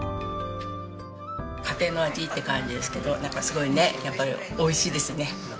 家庭の味って感じですけどなんかすごいねやっぱり美味しいですね。